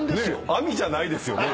網じゃないですよね？